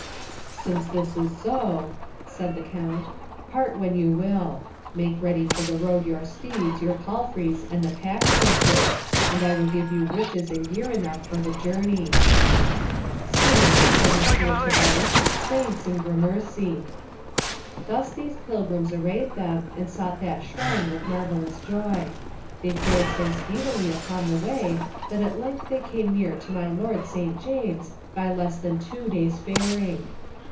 "Since this is so," said the Count, "part when you will. Make ready for the road your steeds, your palfreys, and the pack horses, and I will give you riches and gear enough for the journey." "Sir," said Messire Thibault, "thanks and gramercy." Thus these pilgrims arrayed them, and sought that shrine with marvellous joy. They fared so speedily upon the way, that at length they came near to my lord St. James, by less than two days faring.